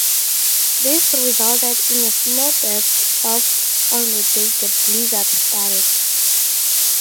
This resulted in a snow depth of on the day the blizzard started.